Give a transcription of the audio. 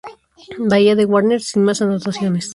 Bahía de Warner" sin más anotaciones.